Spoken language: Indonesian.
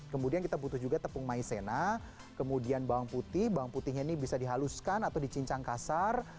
kemudian kita butuh juga tepung maizena kemudian bawang putih bawang putihnya ini bisa dihaluskan atau dicincang kasar